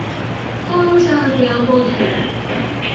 Photos are available here.